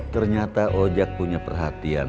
ternyata ojak punya perhatian